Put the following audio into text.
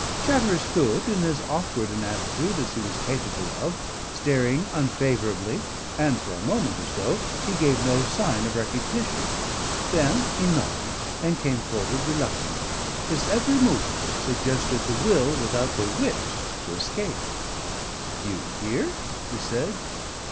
Chatteris stood in as awkward an attitude as he was capable of, staring unfavourably, and for a moment or so he gave no sign of recognition. Then he nodded and came forward reluctantly. His every movement suggested the will without the wit to escape. "You here?" he said.